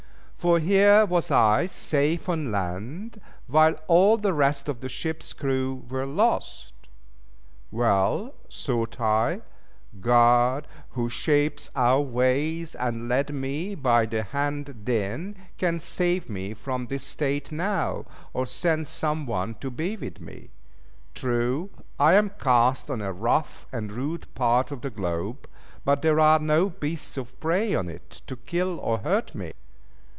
For here was I safe on land, while all the rest of the ship's crew were lost. Well, thought I, God who shapes our ways, and led me by the hand then, can save me from this state now, or send some one to be with me; true, I am cast on a rough and rude part of the globe, but there are no beasts of prey on it to kill or hurt me.